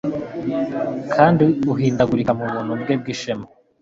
Kandi uhindagurika mu buntu bwe bw'ishema